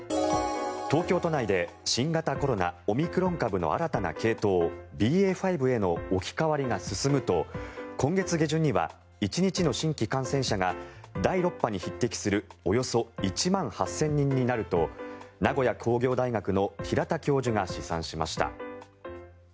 東京都内で新型コロナオミクロン株の新たな系統、ＢＡ．５への置き換わりが進むと今月下旬には１日の新規感染者が第６波に匹敵するおよそ１万８０００人になると名古屋工業大学の平田教授が試算しました。